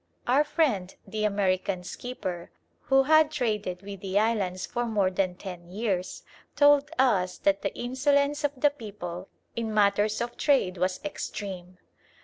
Our friend the American skipper, who had traded with the islands for more than ten years, told us that the insolence of the people in matters of trade was extreme.